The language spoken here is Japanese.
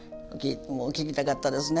もう聞きたかったですね。